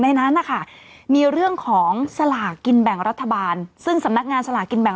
ในนั้นนะคะมีเรื่องของสลากกินแบ่งรัฐบาลซึ่งสำนักงานสลากกินแบ่ง